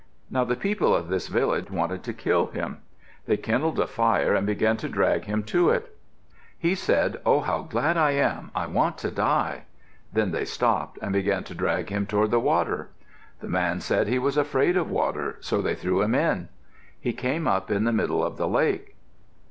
Now the people of this village wanted to kill him. They kindled a fire and began to drag him to it. He said, "Oh, how glad I am! I want to die." Then they stopped and began to drag him toward the water. The man said he was afraid of water, so they threw him in. He came up in the middle of the lake.